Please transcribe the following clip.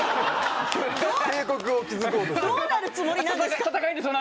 どうなるつもりなんですか。